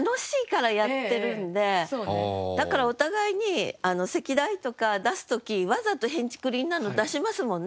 だからお互いに席題とか出す時わざとへんちくりんなの出しますもんね。